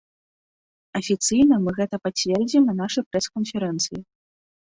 Афіцыйна мы гэта пацвердзім на нашай прэс-канферэнцыі.